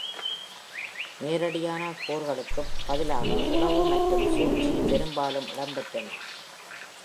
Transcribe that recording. நேரடியான போர்களுக்குப் பதிலாக உளவு மற்றும் சூழ்ச்சி பெரும்பாலும் இடம்பெற்றன.